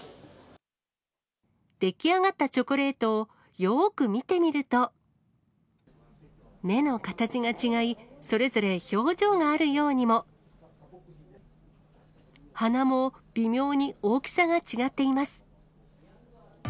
出来上がったチョコレートをよーく見てみると、目の形が違い、鼻も微妙に大きさが違っています。